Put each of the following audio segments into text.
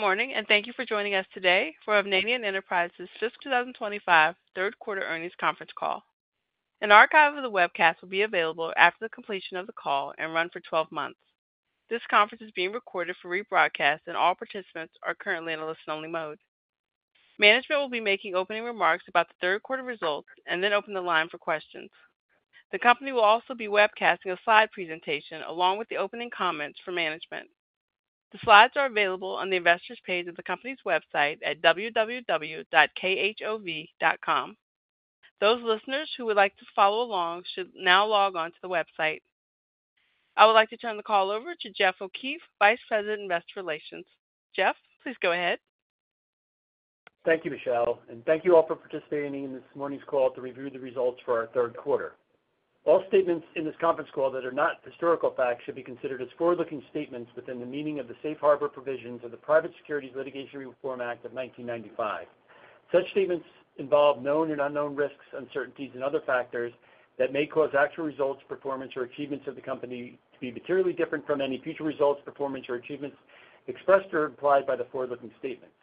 Good morning and thank you for joining us today for Hovnanian Enterprises' Fiscal 2025 Third Quarter Earnings Conference Call. An archive of the webcast will be available after the completion of the call and run for 12 months. This conference is being recorded for rebroadcast, and all participants are currently in a listen-only mode. Management will be making opening remarks about the third quarter results and then open the line for questions. The company will also be webcasting a slide presentation along with the opening comments from management. The slides are available on the investors' page of the company's website at www.khov.com. Those listeners who would like to follow along should now log on to the website. I would like to turn the call over to Jeff O'Keefe, Vice President, Investor Relations. Jeff, please go ahead. Thank you, Michelle, and thank you all for participating in this morning's call to review the results for our third quarter. All statements in this conference call that are not historical facts should be considered as forward-looking statements within the meaning of the Safe Harbor provisions of the Private Securities Litigation Reform Act of 1995. Such statements involve known and unknown risks, uncertainties, and other factors that may cause actual results, performance, or achievements of the company to be materially different from any future results, performance, or achievements expressed or implied by the forward-looking statements.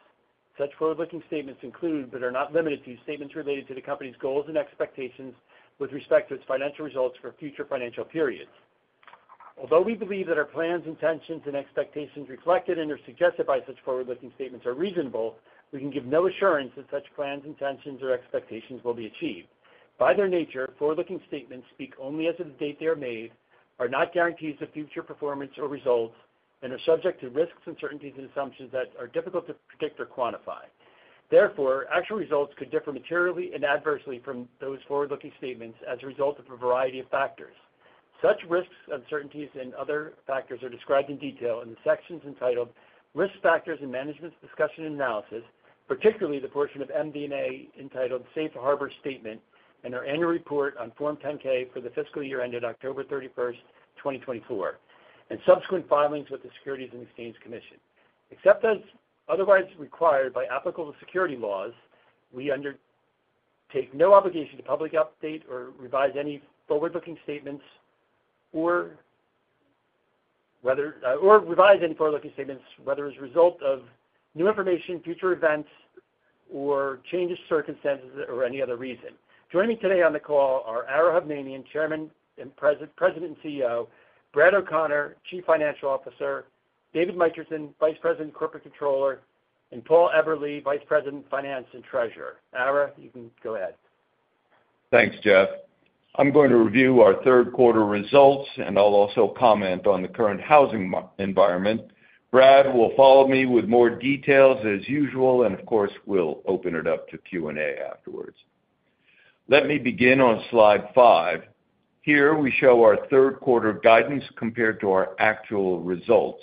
Such forward-looking statements include, but are not limited to, statements related to the company's goals and expectations with respect to its financial results for future financial periods. Although we believe that our plans, intentions, and expectations reflected in or suggested by such forward-looking statements are reasonable, we can give no assurance that such plans, intentions, or expectations will be achieved. By their nature, forward-looking statements speak only as of the date they are made, are not guarantees of future performance or results, and are subject to risks, uncertainties, and assumptions that are difficult to predict or quantify. Therefore, actual results could differ materially and adversely from those forward-looking statements as a result of a variety of factors. Such risks, uncertainties, and other factors are described in detail in the sections entitled Risk Factors and Management's Discussion and Analysis, particularly the portion of MD&A entitled Safe Harbor Statement and our annual report on Form 10-K for the fiscal year ended October 31, 2024, and subsequent filings with the Securities and Exchange Commission. Except as otherwise required by applicable securities laws, we undertake no obligation to publicly update or revise any forward-looking statements whether as a result of new information, future events, changes to circumstances, or any other reason. Joining me today on the call are Ara Hovnanian, Chairman, President, and CEO; Brad O'Connor, Chief Financial Officer; David Mitrisin, Vice President, Corporate Controller; and Paul Eberly, Vice President, Finance and Treasurer. Ara, you can go ahead. Thanks, Jeff. I'm going to review our third quarter results, and I'll also comment on the current housing environment. Brad will follow me with more details as usual, and of course, we'll open it up to Q&A afterwards. Let me begin on slide five. Here we show our third quarter guidance compared to our actual results.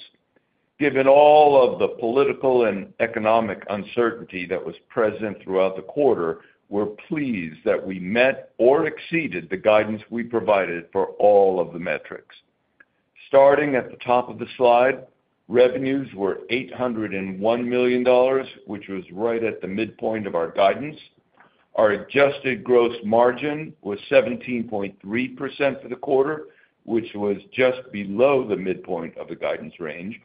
Given all of the political and economic uncertainty that was present throughout the quarter, we're pleased that we met or exceeded the guidance we provided for all of the metrics. Starting at the top of the slide, revenues were $801 million, which was right at the midpoint of our guidance. Our adjusted gross margin was 17.3% for the quarter, which was just below the midpoint of the guidance range.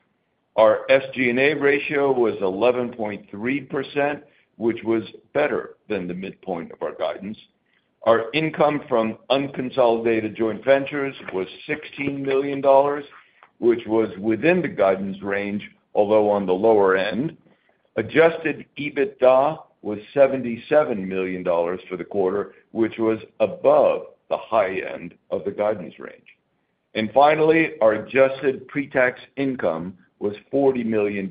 Our SG&A ratio was 11.3%, which was better than the midpoint of our guidance. Our income from unconsolidated joint ventures was $16 million, which was within the guidance range, although on the lower end. Adjusted EBITDA was $77 million for the quarter, which was above the high end of the guidance range. Finally, our adjusted pre-tax income was $40 million,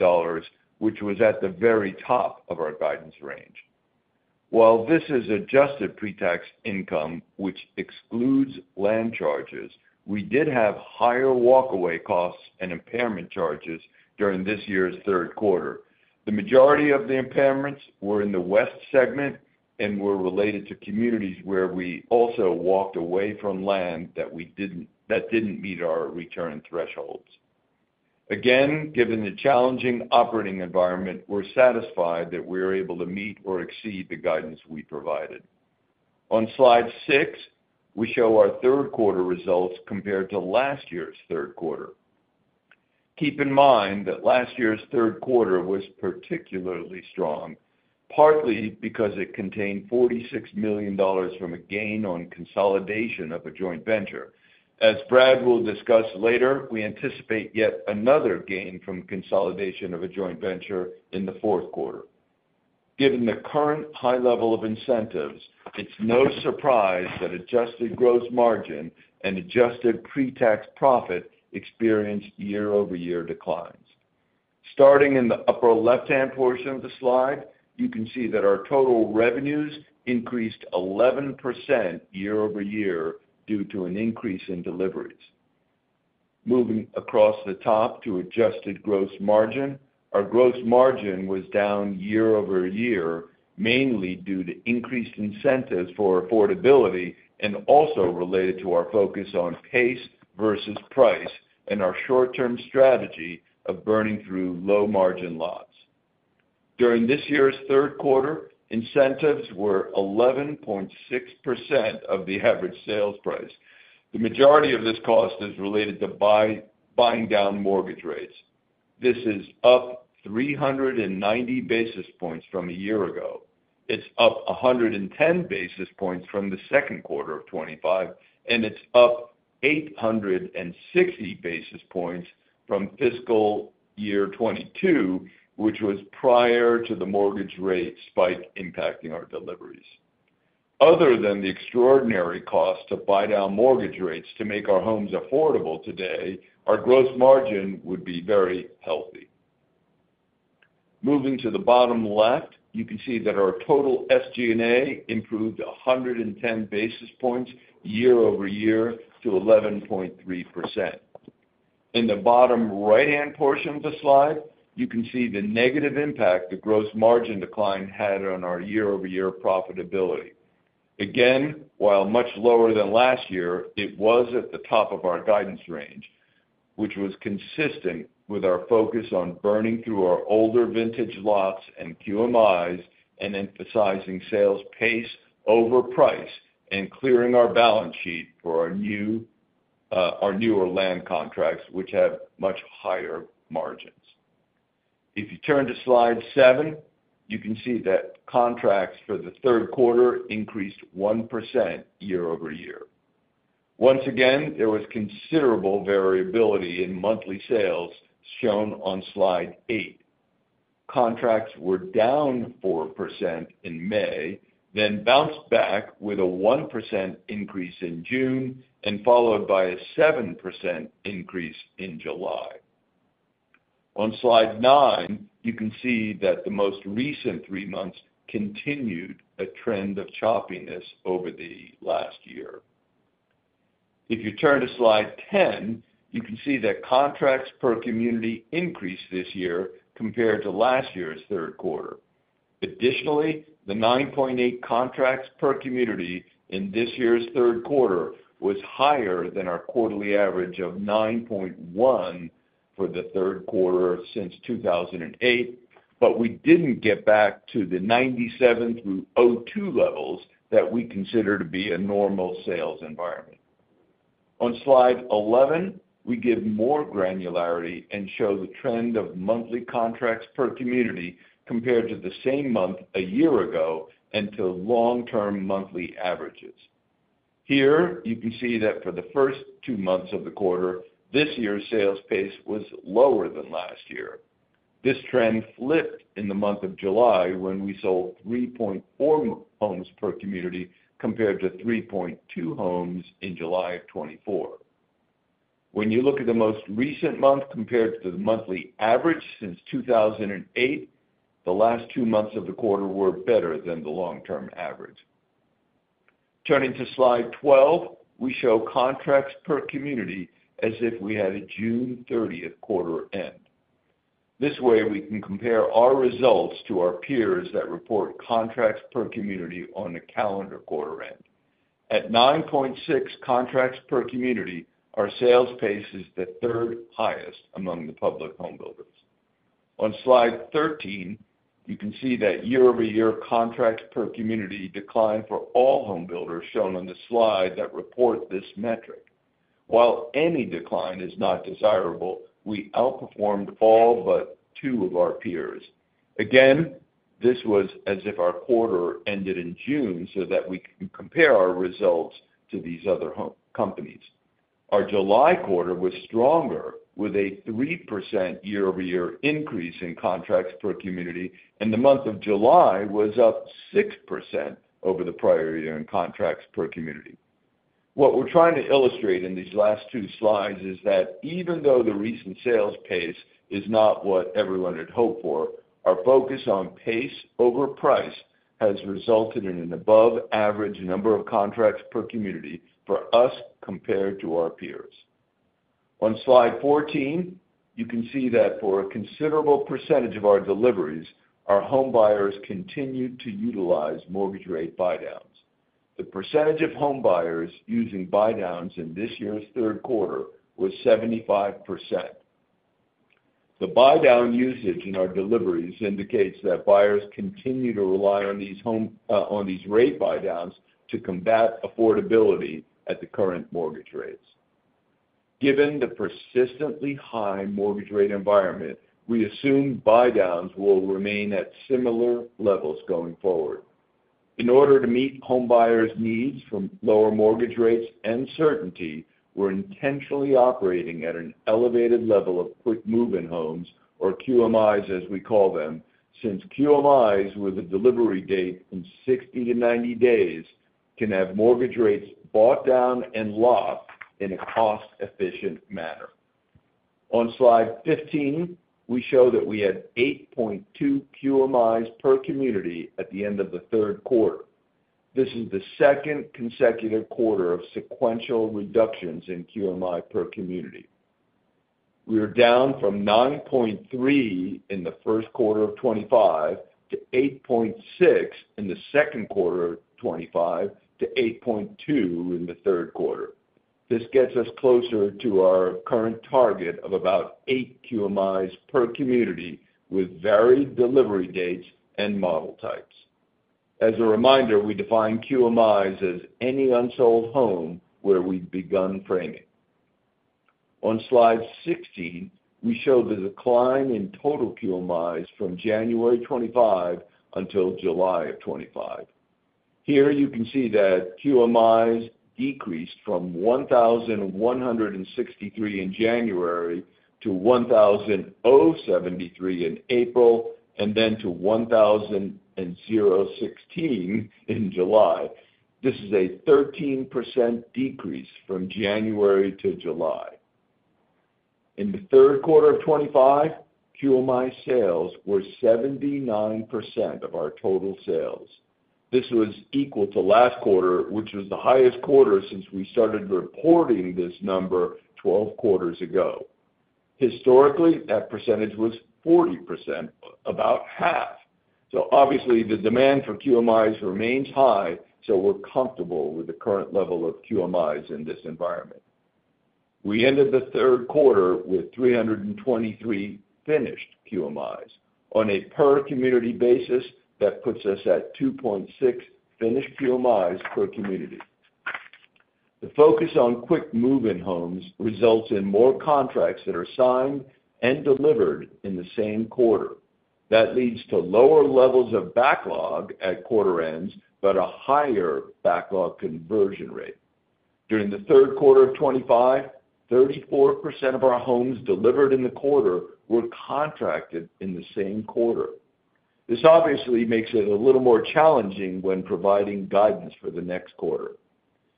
which was at the very top of our guidance range. While this is adjusted pre-tax income, which excludes land charges, we did have higher walkaway costs and impairment charges during this year's third quarter. The majority of the impairments were in the West segment and were related to communities where we also walked away from land that didn't meet our return thresholds. Given the challenging operating environment, we're satisfied that we are able to meet or exceed the guidance we provided. On slide six, we show our third quarter results compared to last year's third quarter. Keep in mind that last year's third quarter was particularly strong, partly because it contained $46 million from a gain on consolidation of a joint venture. As Brad will discuss later, we anticipate yet another gain from consolidation of a joint venture in the fourth quarter. Given the current high level of incentives, it's no surprise that adjusted gross margin and adjusted pre-tax profit experienced year-over-year declines. Starting in the upper left-hand portion of the slide, you can see that our total revenues increased 11% year-over-year due to an increase in deliveries. Moving across the top to adjusted gross margin, our gross margin was down year-over-year mainly due to increased incentives for affordability and also related to our focus on pace versus price and our short-term strategy of burning through low margin lots. During this year's third quarter, incentives were 11.6% of the average sales price. The majority of this cost is related to buying down mortgage rates. This is up 390 basis points from a year ago. It's up 110 basis points from the second quarter of 2025, and it's up 860 basis points from fiscal year 2022, which was prior to the mortgage rates impacting our deliveries. Other than the extraordinary cost to buy down mortgage rates to make our homes affordable today, our gross margin would be very healthy. Moving to the bottom left, you can see that our total SG&A improved 110 basis points year-over-year to 11.3%. In the bottom right-hand portion of the slide, you can see the negative impact the gross margin decline had on our year-over-year profitability. While much lower than last year, it was at the top of our guidance range, which was consistent with our focus on burning through our older vintage lots and QMIs and emphasizing sales pace over price and clearing our balance sheet for our newer land contracts, which have much higher margins. If you turn to slide seven, you can see that contracts for the third quarter increased 1% year-over-year. Once again, there was considerable variability in monthly sales shown on slide eight. Contracts were down 4% in May, then bounced back with a 1% increase in June and followed by a 7% increase in July. On slide nine, you can see that the most recent three months continued a trend of choppiness over the last year. If you turn to slide ten, you can see that contracts per community increased this year compared to last year's third quarter. Additionally, the 9.8 contracts per community in this year's third quarter was higher than our quarterly average of 9.1 for the third quarter since 2008, but we didn't get back to the 1997 through 2002 levels that we consider to be a normal sales environment. On slide 11, we give more granularity and show the trend of monthly contracts per community compared to the same month a year ago and to long-term monthly averages. Here, you can see that for the first two months of the quarter, this year's sales pace was lower than last year. This trend flipped in the month of July when we sold 3.4 homes per community compared to 3.2 homes in July of 2024. When you look at the most recent month compared to the monthly average since 2008, the last two months of the quarter were better than the long-term average. Turning to slide 12, we show contracts per community as if we had a June 30th quarter end. This way, we can compare our results to our peers that report contracts per community on the calendar quarter end. At 9.6 contracts per community, our sales pace is the third highest among the public home builders. On slide 13, you can see that year-over-year contracts per community decline for all home builders shown on the slide that report this metric. While any decline is not desirable, we outperformed all but two of our peers. Again, this was as if our quarter ended in June so that we could compare our results to these other companies. Our July quarter was stronger with a 3% year-over-year increase in contracts per community, and the month of July was up 6% over the prior year in contracts per community. What we're trying to illustrate in these last two slides is that even though the recent sales pace is not what everyone had hoped for, our focus on pace over price has resulted in an above-average number of contracts per community for us compared to our peers. On slide 14, you can see that for a considerable percentage of our deliveries, our home buyers continued to utilize mortgage rate buydowns. The percentage of home buyers using buydowns in this year's third quarter was 75%. The buydown usage in our deliveries indicates that buyers continue to rely on these rate buydowns to combat affordability at the current mortgage rates. Given the persistently high mortgage rate environment, we assume buydowns will remain at similar levels going forward. In order to meet home buyers' needs from lower mortgage rates and certainty, we're intentionally operating at an elevated level of quick-moving homes, or QMIs as we call them, since QMIs with a delivery date in 60 to 90 days can have mortgage rates bought down and locked in a cost-efficient manner. On slide 15, we show that we had 8.2 QMIs per community at the end of the third quarter. This is the second consecutive quarter of sequential reductions in QMI per community. We are down from 9.3 in the first quarter of 2025 to 8.6 in the second quarter of 2025 to 8.2 in the third quarter. This gets us closer to our current target of about eight QMIs per community with varied delivery dates and model types. As a reminder, we define QMIs as any unsold home where we've begun framing. On slide 16, we show the decline in total QMIs from January 2025 until July of 2025. Here you can see that QMIs decreased from 1,163 in January to 1,073 in April and then to 1,016 in July. This is a 13% decrease from January to July. In the third quarter of 2025, QMI sales were 79% of our total sales. This was equal to last quarter, which was the highest quarter since we started reporting this number 12 quarters ago. Historically, that percentage was 40%, about half. Obviously, the demand for QMIs remains high, so we're comfortable with the current level of QMIs in this environment. We ended the third quarter with 323 finished QMIs. On a per-community basis, that puts us at 2.6 finished QMIs per community. The focus on quick-moving homes results in more contracts that are signed and delivered in the same quarter. That leads to lower levels of backlog at quarter ends, but a higher backlog conversion rate. During the third quarter of 2025, 34% of our homes delivered in the quarter were contracted in the same quarter. This obviously makes it a little more challenging when providing guidance for the next quarter.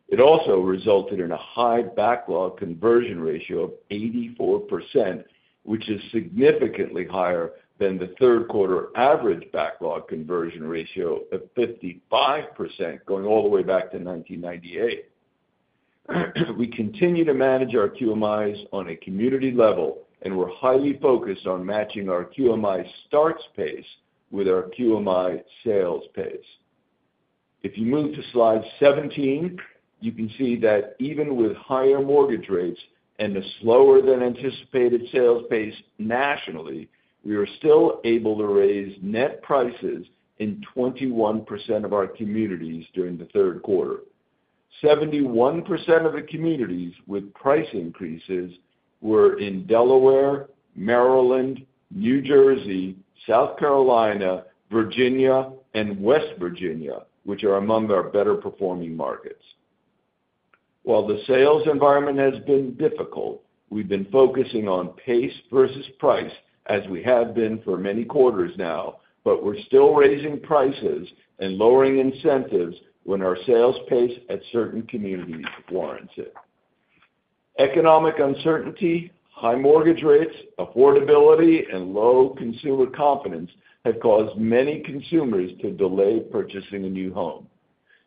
It also resulted in a high backlog conversion ratio of 84%, which is significantly higher than the third quarter average backlog conversion ratio of 55% going all the way back to 1998. We continue to manage our QMIs on a community level, and we're highly focused on matching our QMI starts pace with our QMI sales pace. If you move to slide 17, you can see that even with higher mortgage rates and a slower than anticipated sales pace nationally, we were still able to raise net prices in 21% of our communities during the third quarter. 71% of the communities with price increases were in Delaware, Maryland, New Jersey, South Carolina, Virginia, and West Virginia, which are among our better-performing markets. While the sales environment has been difficult, we've been focusing on pace versus price as we have been for many quarters now, but we're still raising prices and lowering incentives when our sales pace at certain communities blinds it. Economic uncertainty, high mortgage rates, affordability, and low consumer confidence have caused many consumers to delay purchasing a new home.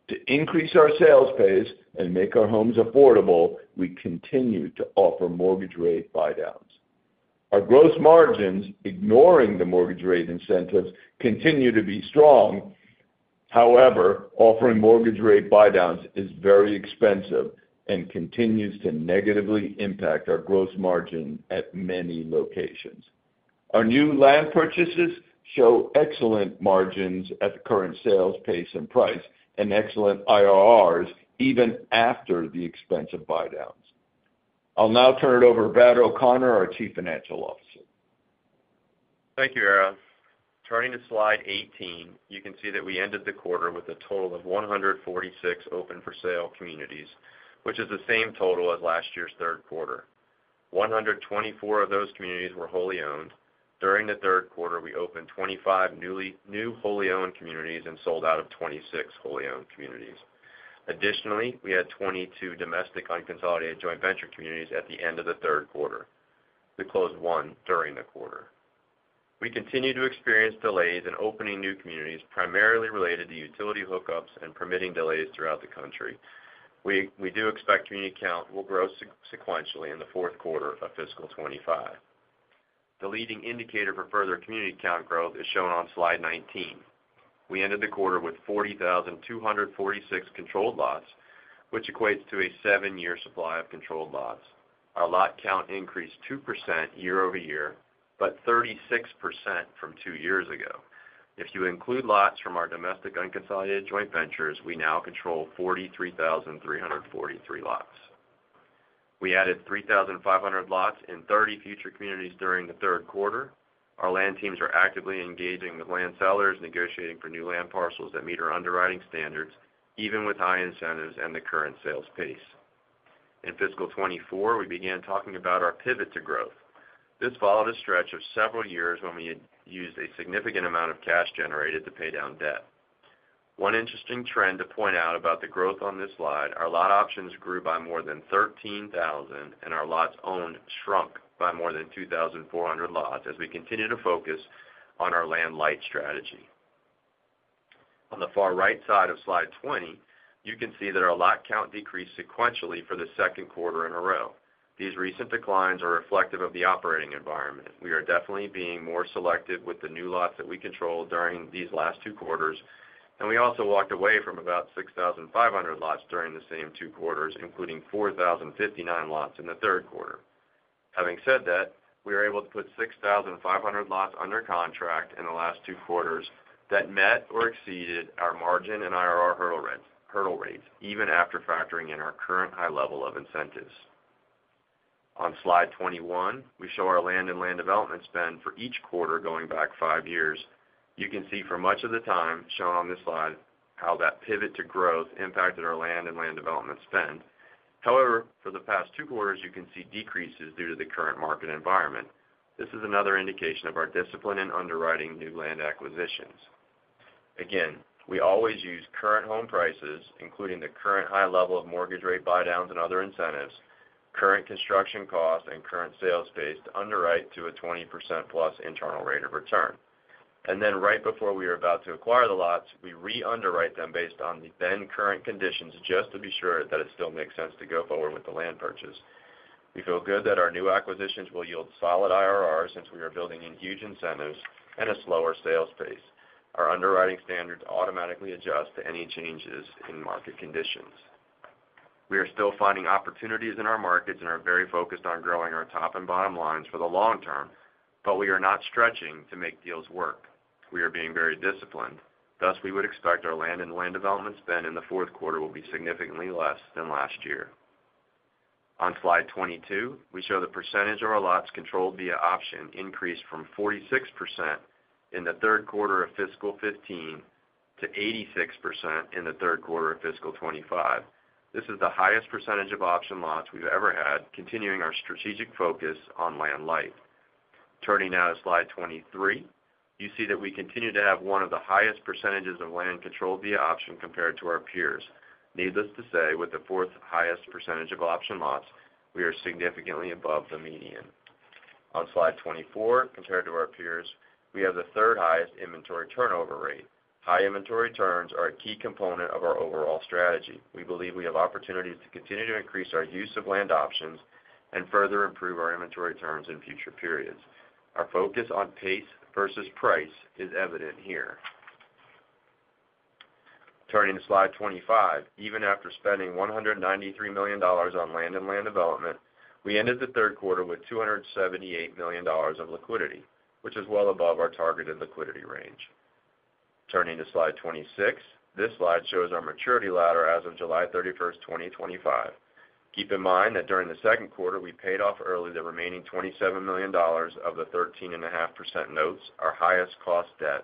To increase our sales pace and make our homes affordable, we continue to offer mortgage rate buydowns. Our gross margins, ignoring the mortgage rate incentives, continue to be strong. However, offering mortgage rate buydowns is very expensive and continues to negatively impact our gross margin at many locations. Our new land purchases show excellent margins at the current sales pace and price and excellent IRRs even after the expense of buydowns. I'll now turn it over to Brad O'Connor, our Chief Financial Officer. Thank you, Ara. Turning to slide 18, you can see that we ended the quarter with a total of 146 open for sale communities, which is the same total as last year's third quarter. 124 of those communities were wholly owned. During the third quarter, we opened 25 newly new wholly owned communities and sold out of 26 wholly owned communities. Additionally, we had 22 domestic unconsolidated joint venture communities at the end of the third quarter. We closed one during the quarter. We continue to experience delays in opening new communities, primarily related to utility hookups and permitting delays throughout the country. We do expect community count will grow sequentially in the fourth quarter of fiscal 2025. The leading indicator for further community count growth is shown on slide 19. We ended the quarter with 40,246 controlled lots, which equates to a seven-year supply of controlled lots. Our lot count increased 2% year-over-year, but 36% from two years ago. If you include lots from our domestic unconsolidated joint ventures, we now control 43,343 lots. We added 3,500 lots in 30 future communities during the third quarter. Our land teams are actively engaging with land sellers, negotiating for new land parcels that meet our underwriting standards, even with high incentives and the current sales pace. In fiscal 2024, we began talking about our pivot to growth. This followed a stretch of several years when we had used a significant amount of cash generated to pay down debt. One interesting trend to point out about the growth on this slide, our lot options grew by more than 13,000, and our lots owned shrunk by more than 2,400 lots as we continue to focus on our land light strategy. On the far right side of slide 20, you can see that our lot count decreased sequentially for the second quarter in a row. These recent declines are reflective of the operating environment. We are definitely being more selective with the new lots that we controlled during these last two quarters, and we also walked away from about 6,500 lots during the same two quarters, including 4,059 lots in the third quarter. Having said that, we were able to put 6,500 lots under contract in the last two quarters that met or exceeded our margin and IRR hurdle rates, even after factoring in our current high level of incentives. On slide 21, we show our land and land development spend for each quarter going back five years. You can see for much of the time shown on this slide how that pivot to growth impacted our land and land development spend. However, for the past two quarters, you can see decreases due to the current market environment. This is another indication of our discipline in underwriting new land acquisitions. We always use current home prices, including the current high level of mortgage rate buydowns and other incentives, current construction cost, and current sales pace to underwrite to a 20%+ internal rate of return. Right before we are about to acquire the lots, we re-underwrite them based on the then current conditions just to be sure that it still makes sense to go forward with the land purchase. We feel good that our new acquisitions will yield solid IRRs since we are building in huge incentives and a slower sales pace. Our underwriting standards automatically adjust to any changes in market conditions. We are still finding opportunities in our markets and are very focused on growing our top and bottom lines for the long term, but we are not stretching to make deals work. We are being very disciplined. Thus, we would expect our land and land development spend in the fourth quarter will be significantly less than last year. On slide 22, we show the percentage of our lots controlled via option increased from 46% in the third quarter of fiscal 2015 to 86% in the third quarter of fiscal 2025. This is the highest percentage of option lots we've ever had, continuing our strategic focus on land light. Turning now to slide 23, you see that we continue to have one of the highest percentages of land controlled via option compared to our peers. Needless to say, with the fourth highest percentage of option lots, we are significantly above the median. On slide 24, compared to our peers, we have the third highest inventory turnover rate. High inventory turns are a key component of our overall strategy. We believe we have opportunities to continue to increase our use of land options and further improve our inventory turns in future periods. Our focus on pace versus price is evident here. Turning to slide 25, even after spending $193 million on land and land development, we ended the third quarter with $278 million of liquidity, which is well above our targeted liquidity range. Turning to slide 26, this slide shows our maturity ladder as of July 31, 2025. Keep in mind that during the second quarter, we paid off early the remaining $27 million of the 13.5% notes, our highest cost debt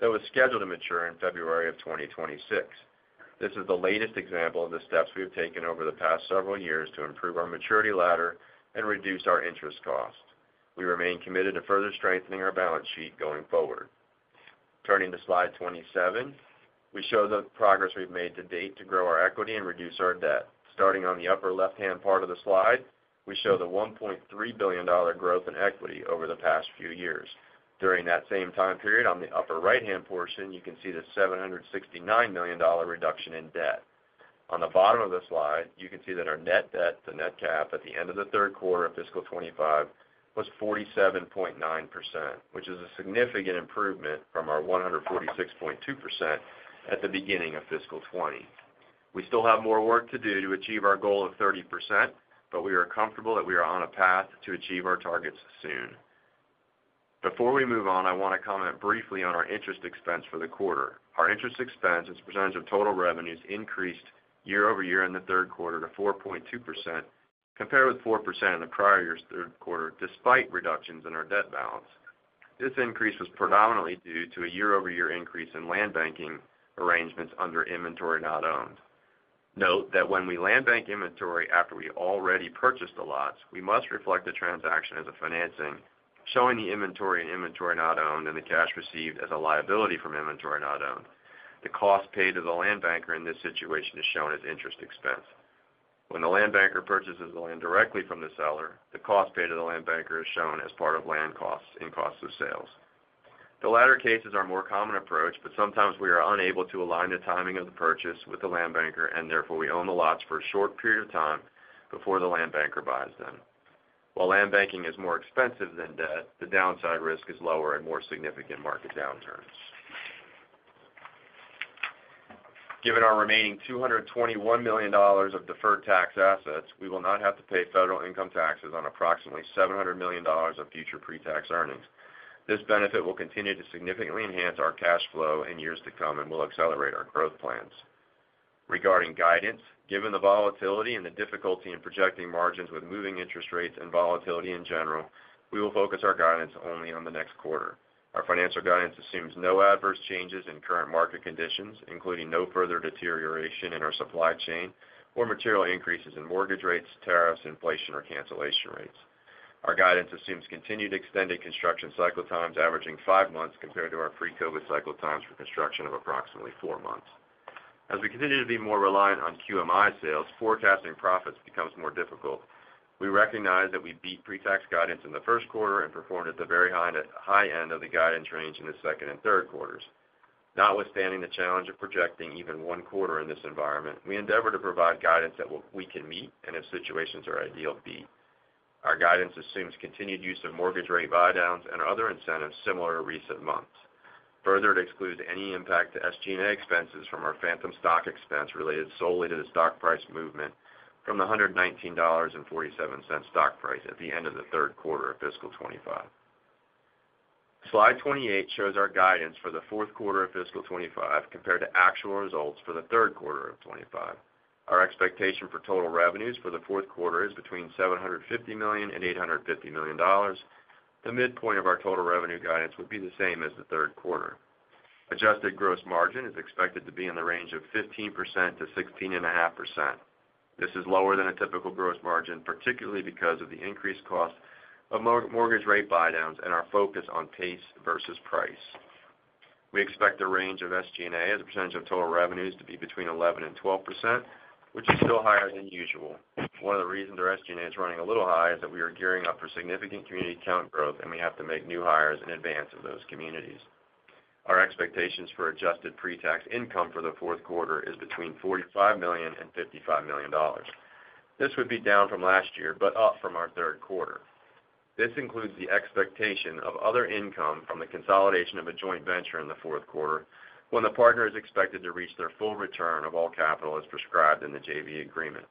that was scheduled to mature in February of 2026. This is the latest example of the steps we've taken over the past several years to improve our maturity ladder and reduce our interest cost. We remain committed to further strengthening our balance sheet going forward. Turning to slide 27, we show the progress we've made to date to grow our equity and reduce our debt. Starting on the upper left-hand part of the slide, we show the $1.3 billion growth in equity over the past few years. During that same time period, on the upper right-hand portion, you can see the $769 million reduction in debt. On the bottom of the slide, you can see that our net debt, the net cap at the end of the third quarter of fiscal 2025, was 47.9%, which is a significant improvement from our 146.2% at the beginning of fiscal 2020. We still have more work to do to achieve our goal of 30%, but we are comfortable that we are on a path to achieve our targets soon. Before we move on, I want to comment briefly on our interest expense for the quarter. Our interest expense as a percentage of total revenues increased year-over-year in the third quarter to 4.2% compared with 4% in the prior year's third quarter, despite reductions in our debt balance. This increase was predominantly due to a year-over-year increase in land banking arrangements under inventory not owned. Note that when we land bank inventory after we already purchased the lots, we must reflect the transaction as a financing, showing the inventory in inventory not owned and the cash received as a liability from inventory not owned. The cost paid to the land banker in this situation is shown as interest expense. When the land banker purchases the land directly from the seller, the cost paid to the land banker is shown as part of land costs and costs of sales. The latter case is our more common approach, but sometimes we are unable to align the timing of the purchase with the land banker, and therefore we own the lots for a short period of time before the land banker buys them. While land banking is more expensive than debt, the downside risk is lower in a more significant market downturn. Given our remaining $221 million of deferred tax assets, we will not have to pay federal income taxes on approximately $700 million of future pre-tax earnings. This benefit will continue to significantly enhance our cash flow in years to come and will accelerate our growth plans. Regarding guidance, given the volatility and the difficulty in projecting margins with moving interest rates and volatility in general, we will focus our guidance only on the next quarter. Our financial guidance assumes no adverse changes in current market conditions, including no further deterioration in our supply chain or material increases in mortgage rates, tariffs, inflation, or cancellation rates. Our guidance assumes continued extended construction cycle times averaging five months compared to our pre-COVID cycle times for construction of approximately four months. As we continue to be more reliant on QMI sales, forecasting profits becomes more difficult. We recognize that we beat pre-tax guidance in the first quarter and performed at the very high end of the guidance range in the second and third quarters. Notwithstanding the challenge of projecting even one quarter in this environment, we endeavor to provide guidance that we can meet and if situations are ideal, beat. Our guidance assumes continued use of mortgage rate buydowns and other incentives similar to recent months. Further, it excludes any impact to SG&A expenses from our phantom stock expense related solely to the stock price movement from the $119.47 stock price at the end of the third quarter of fiscal 2025. Slide 28 shows our guidance for the fourth quarter of fiscal 2025 compared to actual results for the third quarter of 2025. Our expectation for total revenues for the fourth quarter is between $750 million and $850 million. The midpoint of our total revenue guidance would be the same as the third quarter. Adjusted gross margin is expected to be in the range of 15%-16.5%. This is lower than a typical gross margin, particularly because of the increased cost of mortgage rate buydowns and our focus on pace versus price. We expect the range of SG&A as a percentage of total revenues to be between 11% and 12%, which is still higher than usual. One of the reasons our SG&A is running a little high is that we are gearing up for significant community count growth and we have to make new hires in advance of those communities. Our expectations for adjusted pre-tax income for the fourth quarter is between $45 million and $55 million. This would be down from last year but up from our third quarter. This includes the expectation of other income from the consolidation of a joint venture in the fourth quarter when the partner is expected to reach their full return of all capital as prescribed in the JV agreement.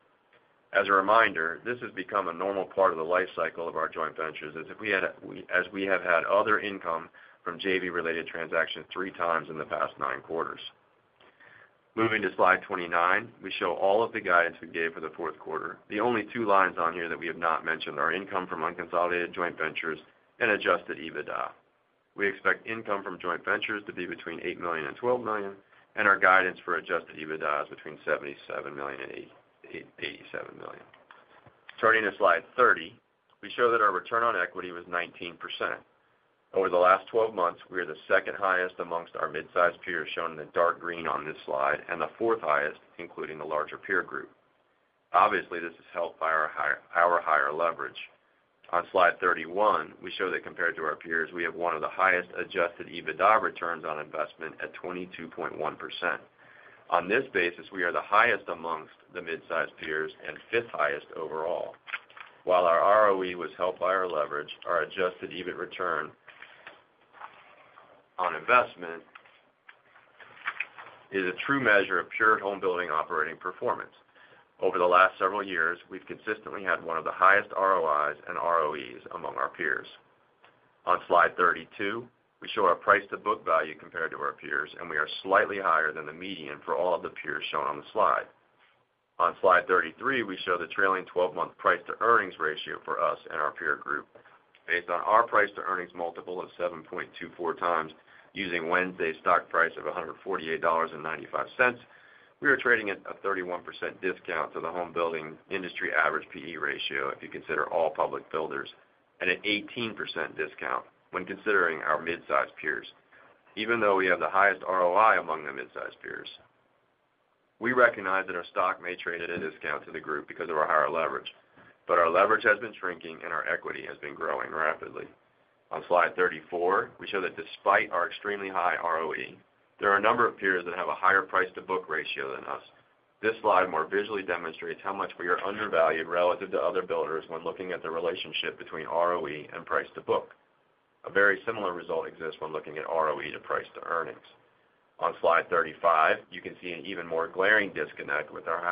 As a reminder, this has become a normal part of the life cycle of our joint ventures as we have had other income from JV-related transactions three times in the past nine quarters. Moving to slide 29, we show all of the guidance we gave for the fourth quarter. The only two lines on here that we have not mentioned are income from unconsolidated joint ventures and adjusted EBITDA. We expect income from joint ventures to be between $8 million and $12 million, and our guidance for adjusted EBITDA is between $77 million and $87 million. Turning to slide 30, we show that our return on equity was 19%. Over the last 12 months, we are the second highest amongst our midsize peers shown in the dark green on this slide and the fourth highest, including the larger peer group. Obviously, this is helped by our higher leverage. On slide 31, we show that compared to our peers, we have one of the highest adjusted EBITDA returns on investment at 22.1%. On this basis, we are the highest amongst the midsize peers and fifth highest overall. While our ROE was helped by our leverage, our adjusted EBITDA return on investment is a true measure of pure home building operating performance. Over the last several years, we've consistently had one of the highest ROIs and ROEs among our peers. On slide 32, we show our price-to-book value compared to our peers, and we are slightly higher than the median for all of the peers shown on the slide. On slide 33, we show the trailing 12-month price-to-earnings ratio for us and our peer group. Based on our price-to-earnings multiple of 7.24x, using Wednesday's stock price of $148.95, we are trading at a 31% discount to the home building industry average PE ratio if you consider all public builders and an 18% discount when considering our midsize peers, even though we have the highest ROI among the midsize peers. We recognize that our stock may trade at a discount to the group because of our higher leverage, but our leverage has been shrinking and our equity has been growing rapidly. On slide 34, we show that despite our extremely high ROE, there are a number of peers that have a higher price-to-book ratio than us. This slide more visually demonstrates how much we are undervalued relative to other builders when looking at the relationship between ROE and price-to-book. A very similar result exists when looking at ROE to price-to-earnings. On slide 35, you can see an even more glaring disconnect with our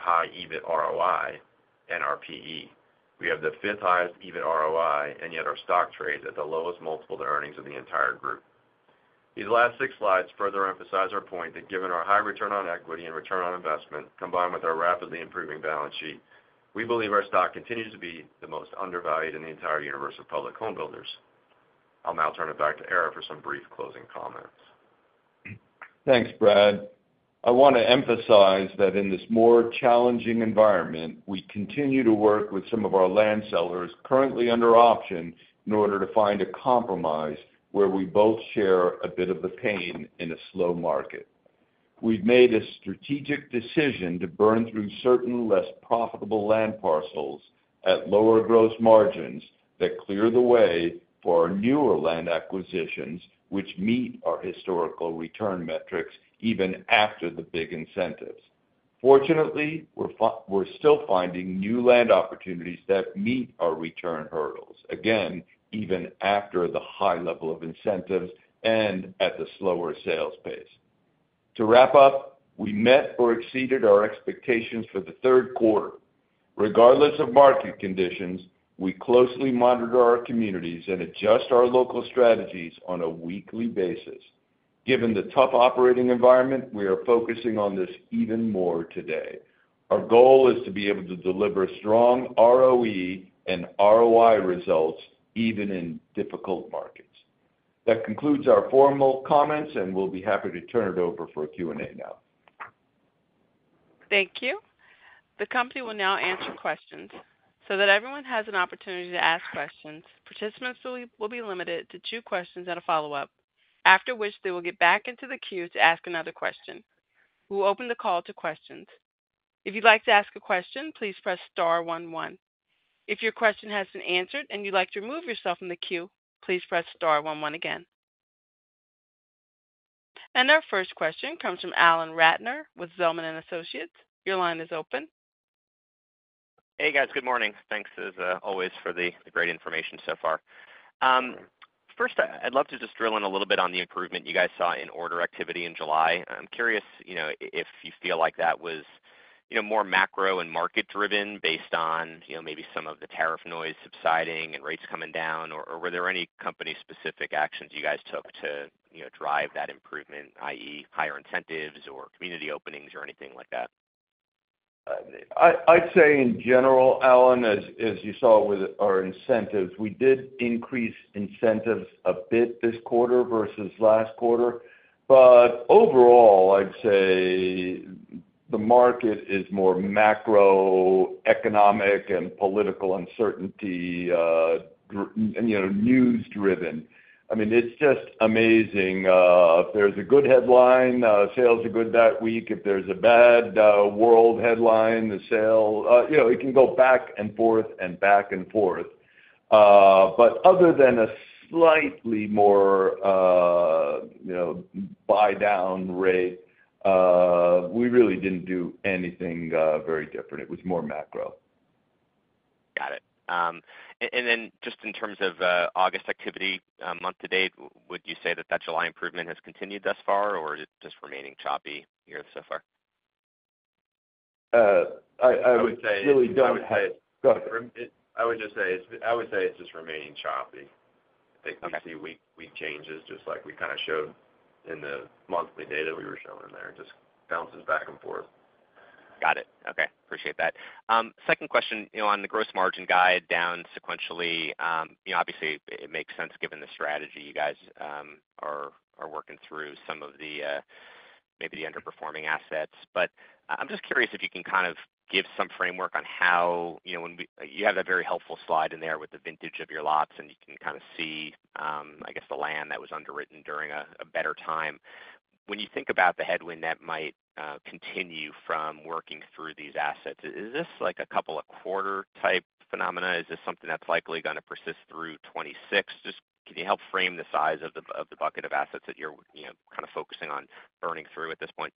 high EBIT/ROI and our PE. We have the fifth highest EBIT/ROI and yet our stock trades at the lowest multiple to earnings of the entire group. These last six slides further emphasize our point that given our high return on equity and return on investment, combined with our rapidly improving balance sheet, we believe our stock continues to be the most undervalued in the entire universe of public home builders. I'll now turn it back to Ara for some brief closing comments. Thanks, Brad. I want to emphasize that in this more challenging environment, we continue to work with some of our land sellers currently under option in order to find a compromise where we both share a bit of the pain in a slow market. We've made a strategic decision to burn through certain less profitable land parcels at lower gross margins that clear the way for our newer land acquisitions, which meet our historical return metrics even after the big incentives. Fortunately, we're still finding new land opportunities that meet our return hurdles, again, even after the high level of incentives and at the slower sales pace. To wrap up, we met or exceeded our expectations for the third quarter. Regardless of market conditions, we closely monitor our communities and adjust our local strategies on a weekly basis. Given the tough operating environment, we are focusing on this even more today. Our goal is to be able to deliver strong ROE and ROI results even in difficult markets. That concludes our formal comments, and we'll be happy to turn it over for a Q&A now. Thank you. The company will now answer questions so that everyone has an opportunity to ask questions. Participants will be limited to two questions and a follow-up, after which they will get back into the queue to ask another question. We'll open the call to questions. If you'd like to ask a question, please press star-11. If your question has been answered and you'd like to remove yourself from the queue, please press star-11 again. Our first question comes from Alan Ratner with Zelman & Associates. Your line is open. Hey, guys. Good morning. Thanks, as always, for the great information so far. First, I'd love to just drill in a little bit on the improvement you guys saw in order activity in July. I'm curious if you feel like that was more macro and market-driven based on maybe some of the tariff noise subsiding and rates coming down, or were there any company-specific actions you guys took to drive that improvement, i.e., higher incentives or community openings or anything like that? I'd say in general, Alan, as you saw with our incentives, we did increase incentives a bit this quarter versus last quarter. Overall, I'd say the market is more macro, economic, and political uncertainty, you know, news-driven. It's just amazing. If there's a good headline, sales are good that week. If there's a bad world headline, the sale, you know, it can go back and forth and back and forth. Other than a slightly more, you know, buydown rate, we really didn't do anything very different. It was more macro. Got it. Just in terms of August activity month to date, would you say that July improvement has continued thus far, or is it just remaining choppy here so far? I would say it's just remaining choppy. I think you can see week to week changes just like we kind of showed in the monthly data we were showing there. It just bounces back and forth. Got it. Okay. Appreciate that. Second question, on the gross margin guide down sequentially, obviously, it makes sense given the strategy you guys are working through some of the maybe the underperforming assets. I'm just curious if you can kind of give some framework on how, you know, you have that very helpful slide in there with the vintage of your lots and you can kind of see, I guess, the land that was underwritten during a better time. When you think about the headwind that might continue from working through these assets, is this like a couple-of-a-quarter type phenomena? Is this something that's likely going to persist through 2026? Can you help frame the size of the bucket of assets that you're kind of focusing on burning through at this point?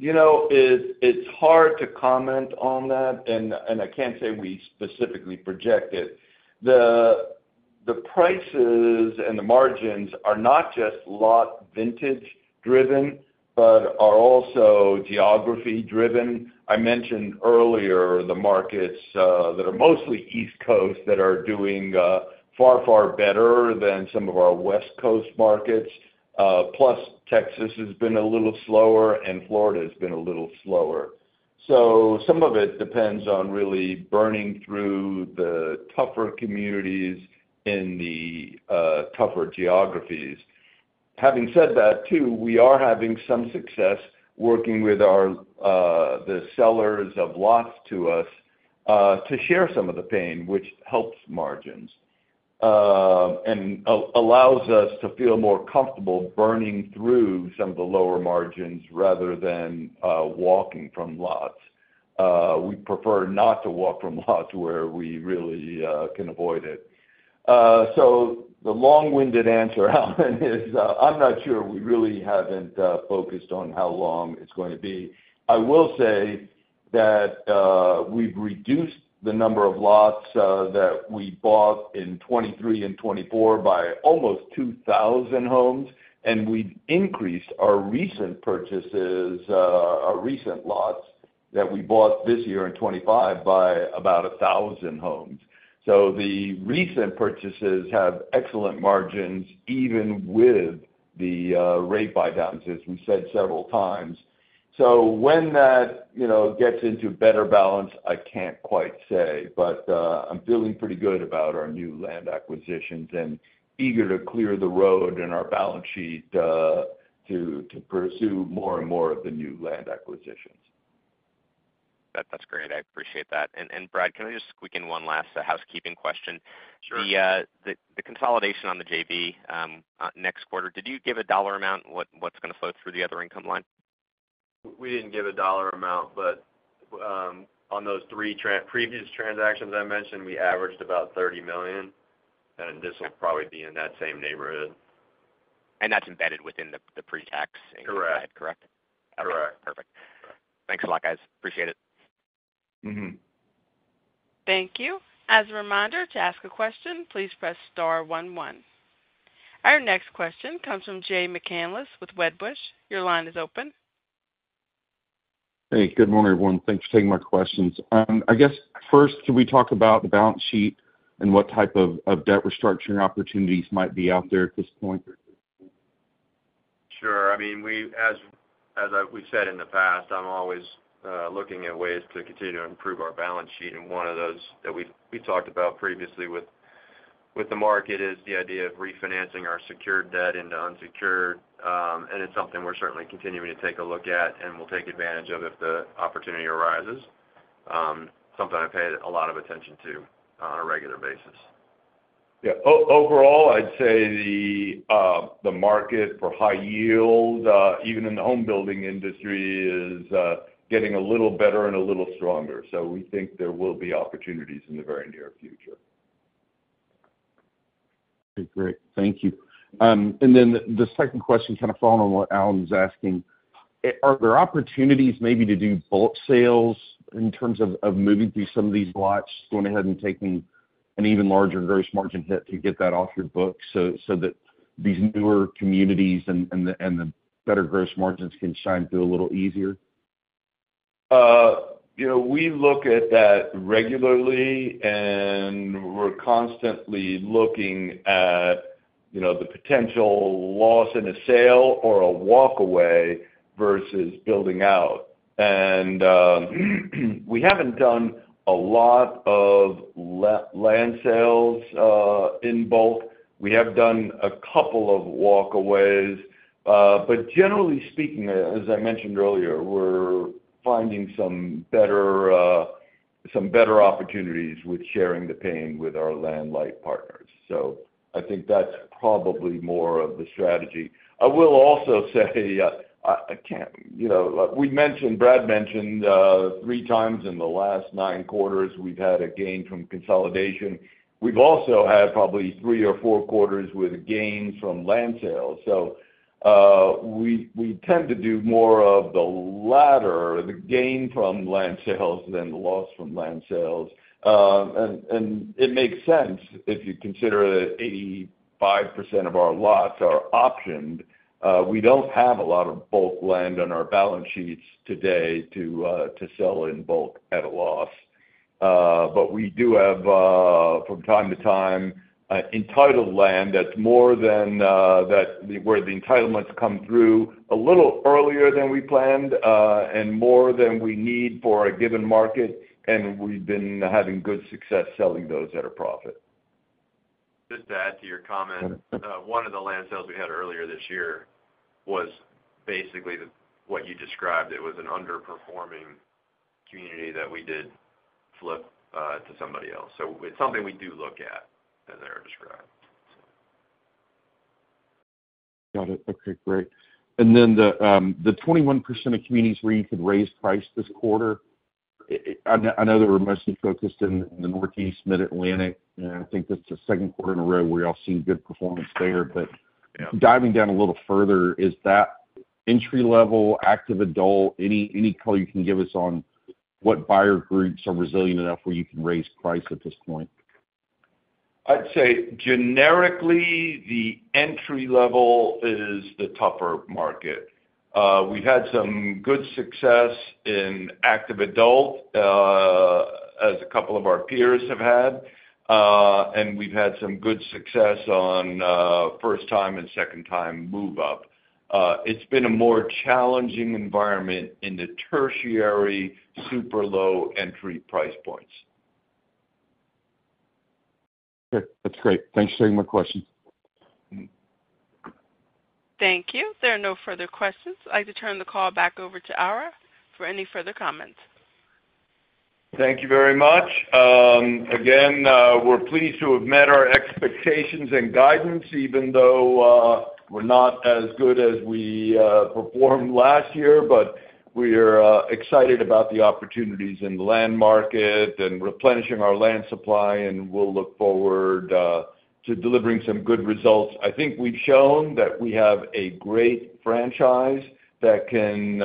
You know, it's hard to comment on that, and I can't say we specifically project it. The prices and the margins are not just lot vintage driven, but are also geography driven. I mentioned earlier the markets that are mostly East Coast that are doing far, far better than some of our West Coast markets. Plus, Texas has been a little slower and Florida has been a little slower. Some of it depends on really burning through the tougher communities in the tougher geographies. Having said that, we are having some success working with the sellers of lots to us to share some of the pain, which helps margins and allows us to feel more comfortable burning through some of the lower margins rather than walking from lots. We prefer not to walk from lots where we really can avoid it. The long-winded answer, Alan, is I'm not sure we really haven't focused on how long it's going to be. I will say that we've reduced the number of lots that we bought in 2023 and 2024 by almost 2,000 homes, and we increased our recent purchases, our recent lots that we bought this year in 2025 by about 1,000 homes. The recent purchases have excellent margins even with the rate buydowns, as we said several times. When that gets into a better balance, I can't quite say, but I'm feeling pretty good about our new land acquisitions and eager to clear the road in our balance sheet to pursue more and more of the new land acquisitions. That's great. I appreciate that. Brad, can I just squeak in one last housekeeping question? Sure. The consolidation on the JV next quarter, did you give a dollar amount, and what's going to flow through the other income line? We didn't give a dollar amount, but on those three previous transactions I mentioned, we averaged about $30 million, and this will probably be in that same neighborhood. That's embedded within the pre-tax increase, correct? Correct. Perfect. Thanks a lot, guys. Appreciate it. Thank you. As a reminder, to ask a question, please press star-1-1. Our next question comes from Jay McCandless with Wedbush. Your line is open. Hey, good morning, everyone. Thanks for taking my questions. I guess first, can we talk about the balance sheet and what type of debt restructuring opportunities might be out there at this point? Sure. As we've said in the past, I'm always looking at ways to continue to improve our balance sheet, and one of those that we talked about previously with the market is the idea of refinancing our secured debt into unsecured, and it's something we're certainly continuing to take a look at and we'll take advantage of if the opportunity arises. It's something I pay a lot of attention to on a regular basis. Overall, I'd say the market for high yield, even in the home building industry, is getting a little better and a little stronger. We think there will be opportunities in the very near future. Great. Thank you. The second question, kind of following on what Alan's asking, are there opportunities maybe to do bulk sales in terms of moving through some of these lots, going ahead and taking an even larger gross margin hit to get that off your books so that these newer communities and the better gross margins can shine through a little easier? We look at that regularly, and we're constantly looking at the potential loss in a sale or a walkaway versus building out. We haven't done a lot of land sales in bulk. We have done a couple of walkaways. Generally speaking, as I mentioned earlier, we're finding some better opportunities with sharing the pain with our land light partners. I think that's probably more of the strategy. I will also say, we mentioned, Brad mentioned three times in the last nine quarters we've had a gain from consolidation. We've also had probably three or four quarters with gains from land sales. We tend to do more of the latter, the gain from land sales than the loss from land sales. It makes sense if you consider that 85% of our lots are optioned. We don't have a lot of bulk land on our balance sheets today to sell in bulk at a loss. We do have, from time to time, entitled land that's more than where the entitlements come through a little earlier than we planned and more than we need for a given market, and we've been having good success selling those at a profit. Just to add to your comment, one of the land sales we had earlier this year was basically what you described. It was an underperforming community that we did flip to somebody else. It's something we do look at, as I described. Got it. Okay. Great. The 21% of communities where you could raise price this quarter, I know they were mostly focused in the Northeast Mid-Atlantic, and I think that's the second quarter in a row where y'all have seen good performance there. Diving down a little further, is that entry-level, active adult, any color you can give us on what buyer groups are resilient enough where you can raise price at this point? I'd say generically, the entry-level is the tougher market. We've had some good success in active adult, as a couple of our peers have had, and we've had some good success on first-time and second-time move-up. It's been a more challenging environment in the tertiary, super low entry price points. Okay, that's great. Thanks for taking my questions. Thank you. There are no further questions. I turn the call back over to Ara for any further comments. Thank you very much. Again, we're pleased to have met our expectations and guidance, even though we're not as good as we performed last year. We are excited about the opportunities in the land market and replenishing our land supply, and we'll look forward to delivering some good results. I think we've shown that we have a great franchise that can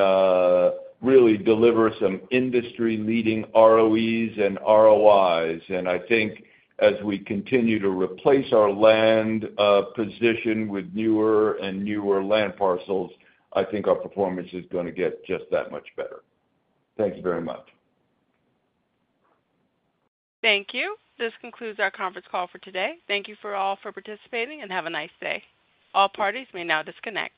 really deliver some industry-leading ROEs and ROIs. I think as we continue to replace our land position with newer and newer land parcels, our performance is going to get just that much better. Thank you very much. Thank you. This concludes our conference call for today. Thank you all for participating and have a nice day. All parties may now disconnect.